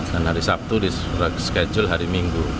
dan hari sabtu di reschedule hari minggu